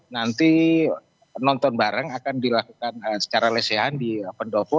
nanti nonton bareng akan dilakukan secara lesehan di pendopo